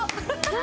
何？